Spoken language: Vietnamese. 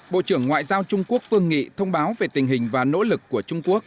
bộ trưởng ngoại giao trung quốc vương nghị thông báo về tình hình và nỗ lực của trung quốc